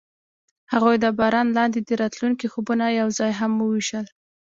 هغوی د باران لاندې د راتلونکي خوبونه یوځای هم وویشل.